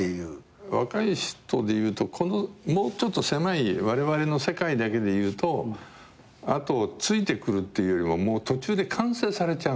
若い人でいうともうちょっと狭いわれわれの世界だけでいうとあとをついてくるっていうよりも途中で完成されちゃうんですね。